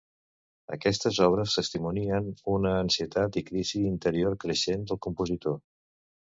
Aquestes obres testimonien una ansietat i crisi interior creixent del compositor.